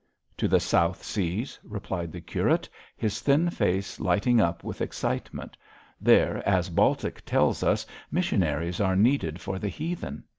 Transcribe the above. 'To the South Seas,' replied the curate, his thin face lighting up with excitement; 'there, as Baltic tells us, missionaries are needed for the heathen.